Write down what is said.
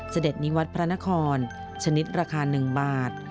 เสด็จนิวัตรพระนครชนิดราคา๑บาท